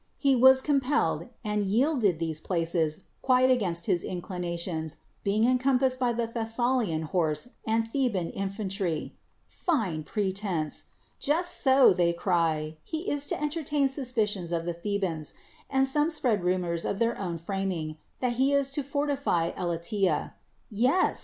He was compelled, and yielded these places quite against his inclinations, being encompassed by the Thessalian horse and Theban infantry. Fine pretense! Just so, they cry, he is to entertain suspicions of the Thebans ; and some spread rumors of their own framing, that he is to fortify Elatea. Yes